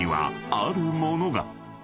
［あるものが］